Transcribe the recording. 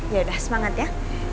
yaudah semangat ya